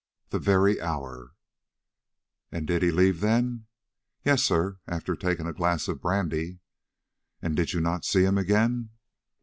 The very hour! "And did he leave then?" "Yes, sir; after taking a glass of brandy." "And did you not see him again?"